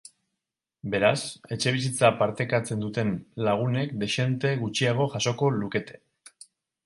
Beraz, etxebizitza partekatzen duten lagunek dexente gutxiago jasoko lukete.